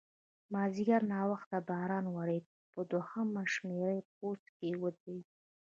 مازیګر ناوخته باران ودرېد، په دوهمه شمېره پوسته کې ودرېدم.